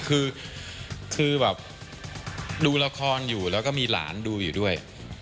คือแบบดูละครอยู่แล้วก็มีหลานดูอยู่ด้วย